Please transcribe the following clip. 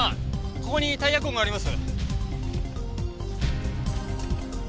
ここにタイヤ痕があります。